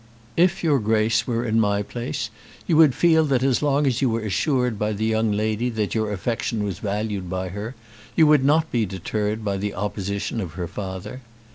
"If your Grace were in my place you would feel that as long as you were assured by the young lady that your affection was valued by her you would not be deterred by the opposition of her father.